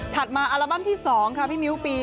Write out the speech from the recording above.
ถัดมาอาราบัมที่๒ค่ะพี่มิวปี๒๕๓๐